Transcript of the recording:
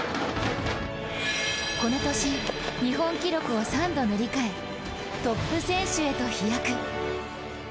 この年、日本記録を３度塗り替えトップ選手へと飛躍。